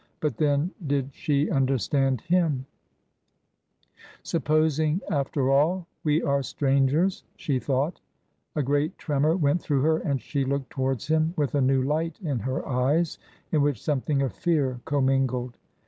But, then, did she understand him ?'* Supposing, after all, we are strangers ?" she thought A great tremor went through her, and she looked towards him with a new light in her eyes, in which something of fear commingled.